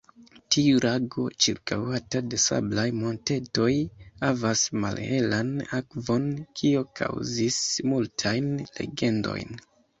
Tiu lago, ĉirkaŭata de sablaj montetoj, havas malhelan akvon, kio kaŭzis multajn legendojn.